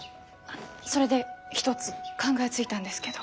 それで一つ考えついたんですけど。